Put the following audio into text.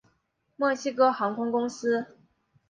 墨西哥航空公司。